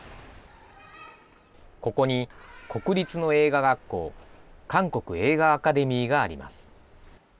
ここに国立の映画学校、韓国映画アカデミーがあります。